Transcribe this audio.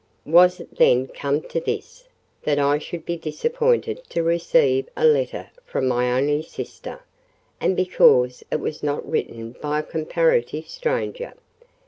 Was it then come to this—that I should be disappointed to receive a letter from my only sister: and because it was not written by a comparative stranger?